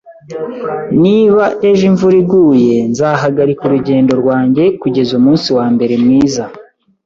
Niba ejo imvura iguye, nzahagarika urugendo rwanjye kugeza umunsi wambere mwiza